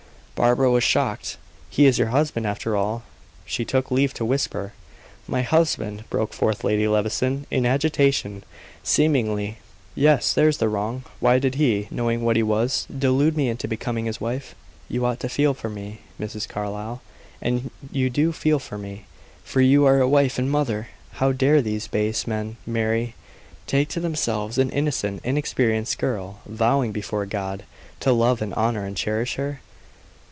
Barbara was shocked. "He is your husband, after all," she took leave to whisper. "My husband!" broke forth Lady Levison, in agitation, seemingly. "Yes! there's the wrong. Why did he, knowing what he was, delude me into becoming his wife? You ought to feel for me, Mrs. Carlyle; and you do feel for me, for you are a wife and mother. How dare these base men marry take to themselves an innocent, inexperienced girl, vowing, before God, to love and honor and cherish her?